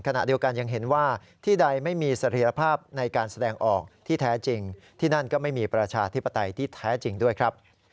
ขณะเดียวกันยังเห็นว่าที่ใดไม่มีเสรีภาพในการแสดงออกที่แท้จริงที่นั่นก็ไม่มีประชาธิปไตยที่แท้จริงด้วยครับ